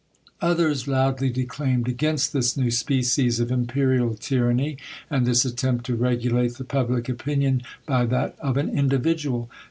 Others loudly declaimed against this new species of imperial tyranny, and this attempt to regulate the public opinion by that of an individual.